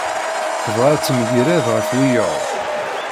Tebɣa ad temgerrad ɣef wiyaḍ.